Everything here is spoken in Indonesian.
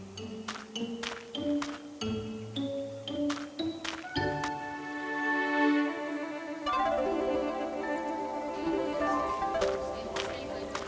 anda harus menerimanya